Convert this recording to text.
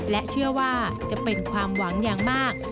และเชื่อว่าจะเป็นความหวังอย่างมาก